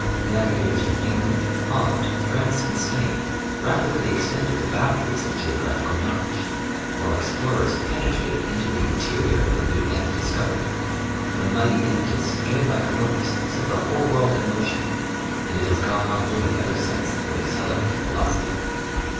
Navigators from England, Holland, France and Spain rapidly extended the boundaries of geographical knowledge, while explorers penetrated into the interior of the new lands discovered. The mighty impetus given by Columbus set the whole world in motion and it has gone on moving ever since with accelerated velocity.